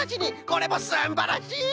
これもすんばらしい！